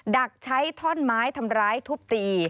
ดักใช้ท่อนไม้ทำร้ายทุบตี